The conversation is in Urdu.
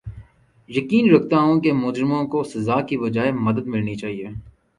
یقین رکھتا ہوں کہ مجرموں کو سزا کے بجاے مدد ملنی چاھیے